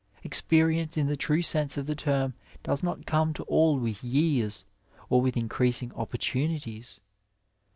Experience in the true sense of the term does not come to all with jrears, or with increasing opportunities.